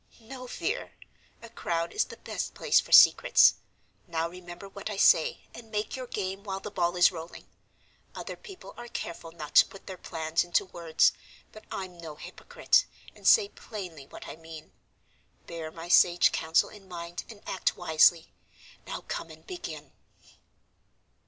"No fear, a crowd is the best place for secrets. Now remember what I say, and make your game while the ball is rolling. Other people are careful not to put their plans into words, but I'm no hypocrite, and say plainly what I mean. Bear my sage counsel in mind and act wisely. Now come and begin."